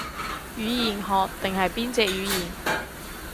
語言學定係邊隻語言